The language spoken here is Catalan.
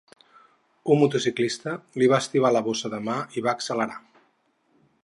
Un motociclista li va estibar la bossa de mà i va accelerar.